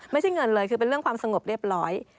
ไม่ใช่เงินเลยคือเป็นเรื่องความสงบเรียบร้อย